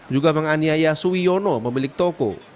juga menganiaya suwiono pemilik toko